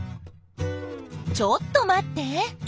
ちょっと待って。